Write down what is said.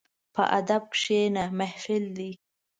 په ادب کښېنه، محفل دی.